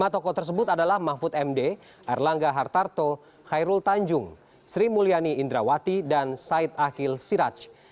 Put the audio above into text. lima tokoh tersebut adalah mahfud md erlangga hartarto khairul tanjung sri mulyani indrawati dan said akil siraj